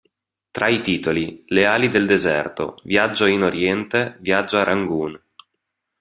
Tra i titoli: Le ali del deserto, Viaggio in Oriente, Viaggio a Rangoon.